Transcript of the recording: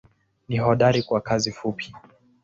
Ni hodari kwa kazi fupi.